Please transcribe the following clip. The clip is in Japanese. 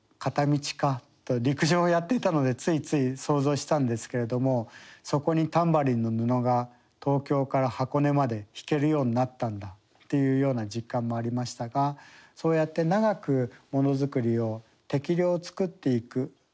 陸上をやっていたのでついつい想像したんですけれどもそこにタンバリンの布が東京から箱根までひけるようになったんだっていうような実感もありましたがそうやって長くものづくりを適量作っていく。